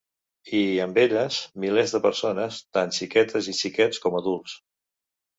I, amb elles, milers de persones, tant xiquetes i xiquets com adults.